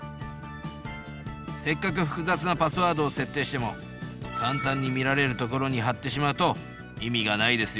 せっかく複雑なパスワードを設定しても簡単に見られるところに貼ってしまうと意味がないですよ。